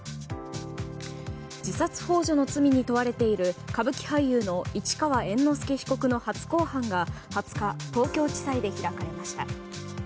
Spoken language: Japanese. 自殺幇助の罪に問われている歌舞伎俳優の市川猿之助被告の初公判が２０日東京地裁で行われました。